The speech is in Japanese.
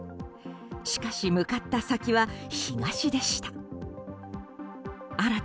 しかし向かった先は東でした。